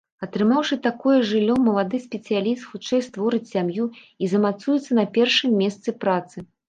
Атрымаўшы такое жыллё, малады спецыяліст хутчэй створыць сям'ю і замацуецца на першым месцы працы.